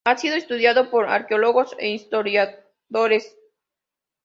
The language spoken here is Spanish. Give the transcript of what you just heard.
Ha sido estudiado por arqueólogos e historiadores.